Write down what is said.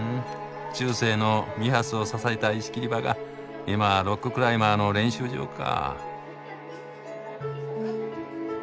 中世のミハスを支えた石切り場が今はロッククライマーの練習場か。